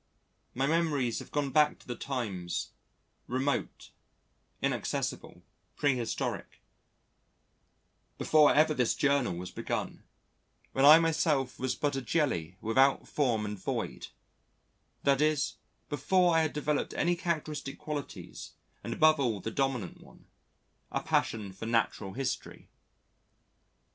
My memories have gone back to the times remote, inaccessible, prehistoric before ever this Journal was begun, when I myself was but a jelly without form and void that is, before I had developed any characteristic qualities and above all the dominant one, a passion for Natural History.